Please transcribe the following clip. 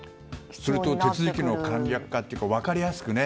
それと手続きの簡略化というか分かりやすくね。